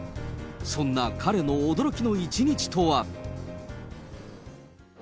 そんな彼の驚きの一日とは。